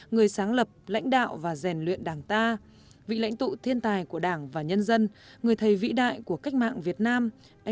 người sáng lập lãnh đạo và rèn luyện đảng ta vị lãnh tụ thiên tài của đảng và nhân dân người thầy vĩ đại của cách mạng việt nam